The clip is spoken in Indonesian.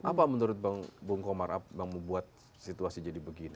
apa menurut bung komar yang membuat situasi jadi begini